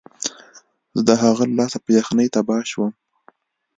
زه د هغه له لاسه په یخنۍ تباه شوم